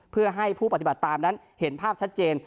เพื่อให้ผู้ปฏิบัติตามนั้นเห็นภาพชัดเจน